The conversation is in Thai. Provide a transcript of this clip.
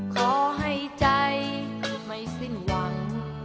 ขอให้ใจไม่สิ้นหวัง